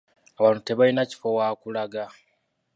Abantu tebalina kifo wa kulaga.